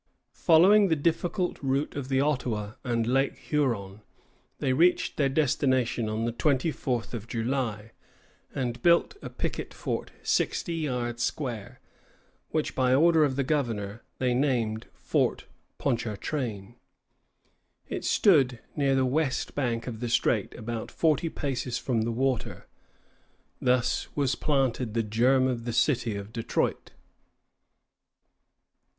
Following the difficult route of the Ottawa and Lake Huron, they reached their destination on the twenty fourth of July, and built a picket fort sixty yards square, which by order of the governor they named Fort Ponchartrain. It stood near the west bank of the strait, about forty paces from the water. Thus was planted the germ of the city of Detroit.